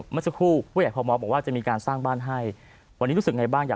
เมื่อสักครู่ผู้ใหญ่พมบอกว่าจะมีการสร้างบ้านให้